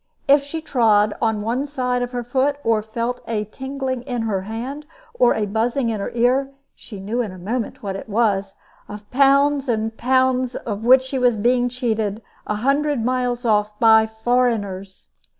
If she trod on one side of her foot, or felt a tingling in her hand, or a buzzing in her ear, she knew in a moment what it was of pounds and pounds was she being cheated, a hundred miles off, by foreigners!